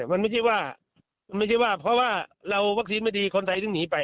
มันไม่ใช่ว่าเพราะว่าเราวัคซีนไม่ดีคนไทยต้องหนีไป